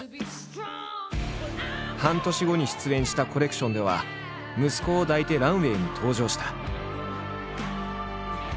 半年後に出演したコレクションでは息子を抱いてランウエイに登場した。